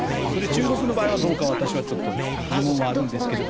中国の場合はどうか私はちょっと疑問はあるんですけれども。